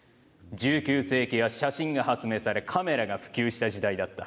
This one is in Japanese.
１９世紀は写真が発明されカメラが普及した時代だった。